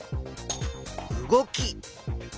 動き。